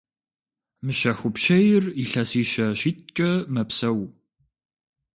Мыщэхупщейр илъэсищэ – щитӏкӏэ мэпсэу.